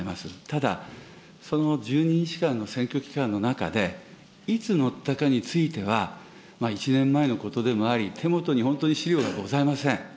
ただ、その１２日間の選挙期間の中で、いつ乗ったかについては、１年前のことでもあり、手元に本当に資料がございません。